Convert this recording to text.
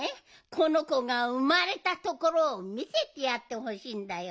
このこがうまれたところをみせてやってほしいんだよ。